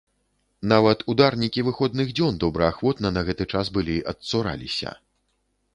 Нават ударнікі выходных дзён добраахвотна на гэты час былі адцураліся.